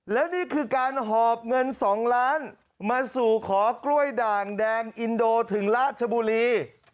แล้วนี่คือการหอบเงิน๒ล้านมาสู่ขอกล้วยด่างแดงอินโดถึงราชบุรี